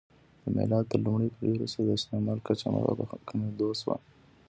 د میلاد تر لومړۍ پېړۍ وروسته د استعمل کچه مخ په کمېدو شوه